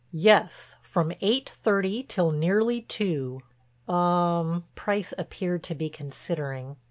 "Yes, from eight thirty till nearly two." "Um," Price appeared to be considering.